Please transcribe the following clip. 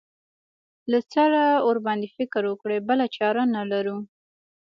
له سره ورباندې فکر وکړو بله چاره نه لرو.